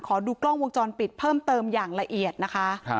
ขอดูกล้องวงจรปิดเพิ่มเติมอย่างละเอียดนะคะ